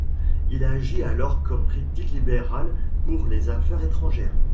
Il agit alors comme critique libéral pour les Affaires étrangères.